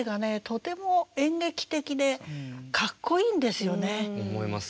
とても演劇的でかっこいいんですよね。